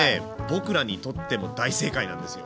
僕らにとっても大正解なんですよ。